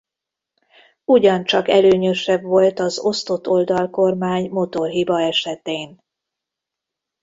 Ugyancsak előnyösebb volt az osztott oldalkormány motorhiba esetén.